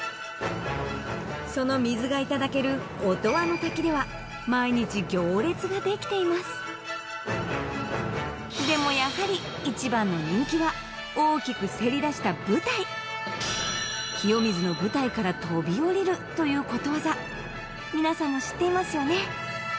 その水がいただける音羽の滝では毎日行列ができていますでもやはり一番の人気は大きくせり出した舞台清水の舞台から飛び降りるということわざ皆さんも知っていますよね